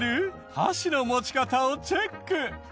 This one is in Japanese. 箸の持ち方をチェック！